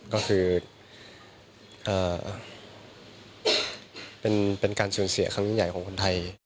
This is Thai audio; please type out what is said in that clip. ก็คือเป็นการสูญเสียของคนไทย